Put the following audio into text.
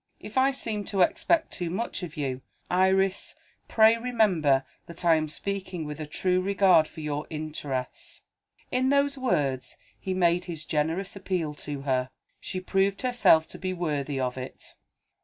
If I seem to expect too much of you, Iris, pray remember that I am speaking with a true regard for your interests." In those words, he made his generous appeal to her. She proved herself to be worthy of it.